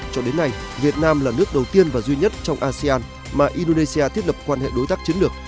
cho đến nay việt nam là nước đầu tiên và duy nhất trong asean mà indonesia thiết lập quan hệ đối tác chiến lược